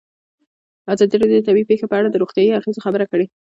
ازادي راډیو د طبیعي پېښې په اړه د روغتیایي اغېزو خبره کړې.